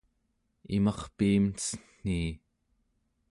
imarpiim cen̄ii